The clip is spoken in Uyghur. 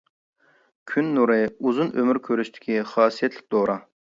كۈن نۇرى ئۇزۇن ئۆمۈر كۆرۈشتىكى خاسىيەتلىك دورا.